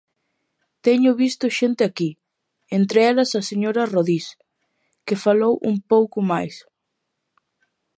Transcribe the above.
Teño visto xente aquí, entre elas a señora Rodís, que falou un pouco máis.